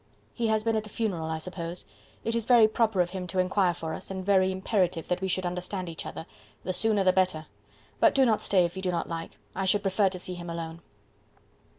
"He has been at the funeral, I suppose. It is very proper of him to inquire for us, and very imperative that we should understand each other; the sooner the better. But do not stay if you do not like. I should prefer to see him alone."